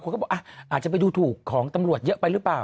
เขาบอกอาจจะไปดูถูกของตำรวจเยอะไปหรือเปล่า